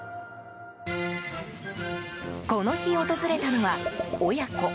この日、訪れたのは親子。